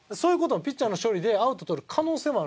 ピッチャーの処理でアウト取る可能性もあるんですよ。